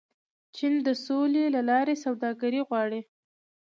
چین د سولې له لارې سوداګري غواړي.